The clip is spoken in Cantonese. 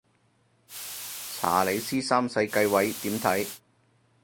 查理斯三世繼位點睇